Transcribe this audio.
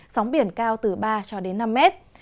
sóng biển cao từ ba cho đến năm mét